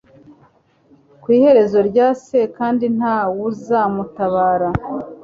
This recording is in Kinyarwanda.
ku iherezo rye c kandi nta wuzamutabara